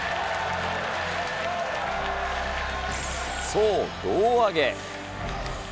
そう、胴上げ。